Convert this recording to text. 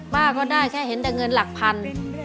ป้าก็ได้แค่เห็นเดี๋ยวเงินหลักพัน